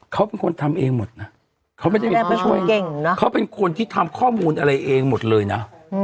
เขาเป็นคนทำเองหมดนะเขาไม่ได้เป็นผู้ช่วยเก่งนะเขาเป็นคนที่ทำข้อมูลอะไรเองหมดเลยนะ